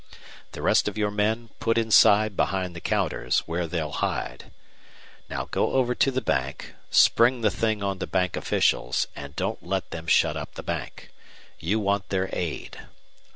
The rest of your men put inside behind the counters, where they'll hide. Now go over to the bank, spring the thing on the bank officials, and don't let them shut up the bank. You want their aid.